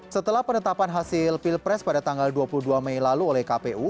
setelah penetapan hasil pilpres pada tanggal dua puluh dua mei lalu oleh kpu